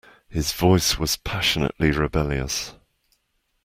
His voice was passionately rebellious.